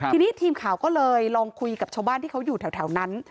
ทีนี้ทีมข่าวก็เลยลองคุยกับชาวบ้านที่เขาอยู่แถวนั้น